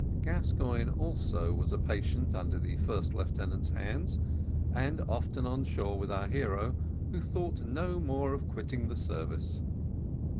Gascoigne also was a patient under the first lieutenant's hands, and often on shore with our hero, who thought no more of quitting the service.